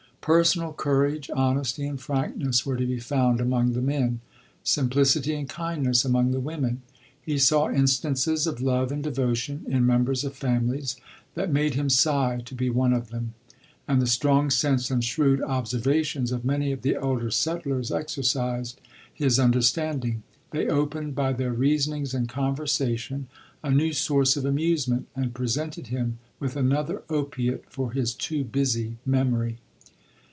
Personal courage, honesty, and frankness, were to be found among the men ; simplicity and kindness among the women. He saw instances of love and devotion in members of families, that made him sigh to be one of them ; and the strong sense and shrewd observations of many of the elder settlers exercised his understanding. They opened, by their reasonings and conversation, a new source of amusement, and presented him with another opiate for his too busy memory.